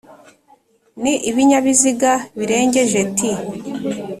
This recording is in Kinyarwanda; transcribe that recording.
ni Ibinyabiziga birengeje T